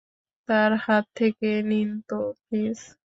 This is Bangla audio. তার হাত থেকে নিন তো, প্লিজ।